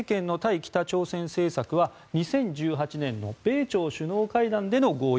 北朝鮮政策は２０１８年の米朝首脳会談での合意。